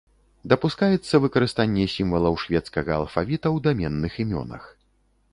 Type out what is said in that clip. Дапускаецца выкарыстанне сімвалаў шведскага алфавіта ў даменных імёнах.